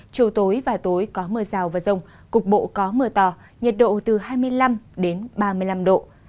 chiều tối và tối có mưa rào và rông cục bộ có mưa to nhiệt độ từ hai mươi năm ba mươi năm độ